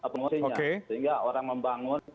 pengungsinya sehingga orang membangun